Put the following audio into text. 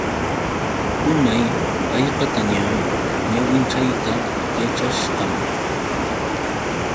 Unay haykatañam ñawinchayta yachashqam.